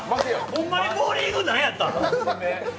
ホンマにボウリング何やったん？